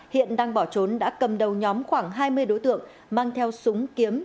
hiện đang bỏ trốn đã cầm đầu nhóm khoảng hai mươi đối tượng mang theo súng kiếm